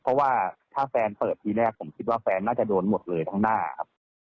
เพราะว่าถ้าแฟนเปิดทีแรกผมคิดว่าแฟนน่าจะโดนหมดเลยทั้งหน้าครับ